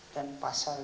dan pasal lima puluh enam